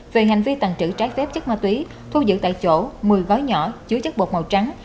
về hành vi tàn trữ trái phép chất ma túy thu giữ tại chỗ một mươi gói nhỏ chứa chất bột màu trắng